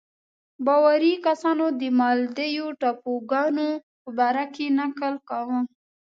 باوري کسانو د مالدیو ټاپوګانو په باره کې نکل کاوه.